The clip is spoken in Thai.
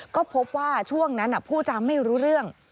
ก็พบว่าช่วงนั้นผู้จำไม่รู้เรื่อง